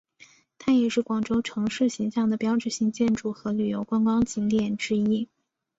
它也是广州城市形象的标志性建筑和旅游观光景点之一。